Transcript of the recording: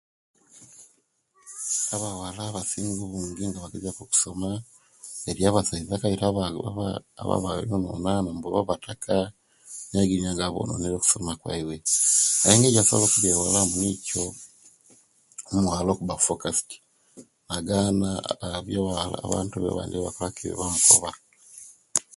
Abawala abasinga obungi nga bagezia ku okusoma eriyo abasaiza kabite aba aba ababonona mbu babataka noyagirya nga babononeire okusoma kwaiwe naye engeri ejebasobola okubyewalamu niyo omuwala okuba fokasit agana ebyo abantu abandi ebyekakoba ki abyebamukoba